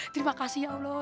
terima kasih ya allah